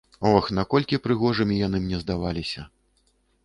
Ох, наколькі прыгожымі яны мне здаваліся.